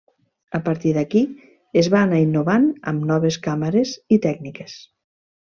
A partir d’aquí es va anar innovant amb noves càmeres i tècniques.